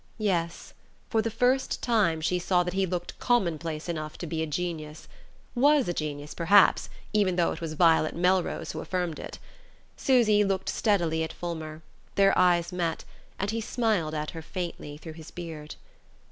Yes: for the first time she saw that he looked commonplace enough to be a genius was a genius, perhaps, even though it was Violet Melrose who affirmed it! Susy looked steadily at Fulmer, their eyes met, and he smiled at her faintly through his beard.